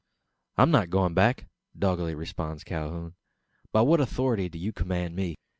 "I'm not going back," doggedly responds Calhoun. "By what authority do you command me?